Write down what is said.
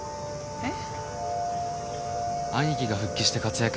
えっ？